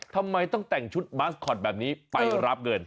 ทำไมต้องแต่งชุดบาสคอตแบบนี้ไปรับเงิน